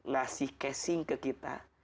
ngasih casing ke kita